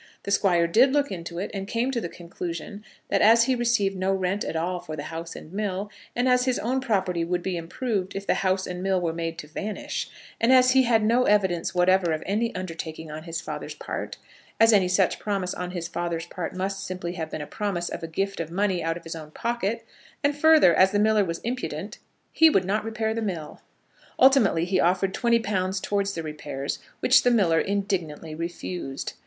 The Squire did look into it, and came to the conclusion that as he received no rent at all for the house and mill, and as his own property would be improved if the house and mill were made to vanish, and as he had no evidence whatever of any undertaking on his father's part, as any such promise on his father's part must simply have been a promise of a gift of money out of his own pocket, and further as the miller was impudent, he would not repair the mill. Ultimately he offered £20 towards the repairs, which the miller indignantly refused.